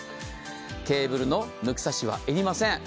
ケーブルの抜き差しはいりません。